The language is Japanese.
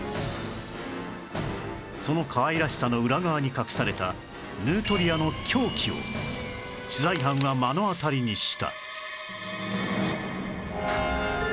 そのかわいらしさの裏側に隠されたヌートリアの凶器を取材班は目の当たりにした